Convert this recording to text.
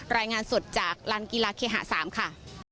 รายงานสดจากลานกีฬาเคหะ๓ค่ะ